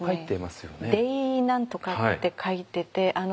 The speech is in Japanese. ｄａｙ何とかって書いてて。